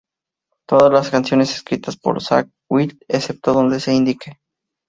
Todas las canciones escritas por Zakk Wylde, excepto donde se indique.